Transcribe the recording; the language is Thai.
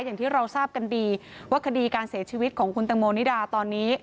อย่างที่เราทราบกันดีว่าคดีการเสียชีวิตของคุณตังโมนิดาตอนนี้